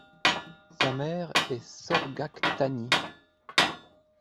Sa mère est Sorgaqtani.